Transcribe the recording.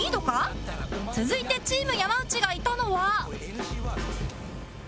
続いてチーム山内がいたのは